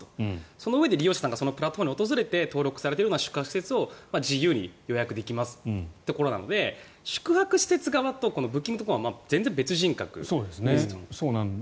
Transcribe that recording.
そのうえで利用者さんがプラットフォームに訪れて登録されている宿泊施設を自由に予約できますというところなので宿泊施設側とブッキングドットコムは全然別人格ですと。